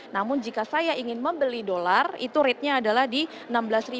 namun jika saya ingin membeli dolar itu rate nya akan menjadi enam belas dua ratus tiga puluh rupiah per dolar amerika